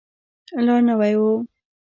لا نوی و.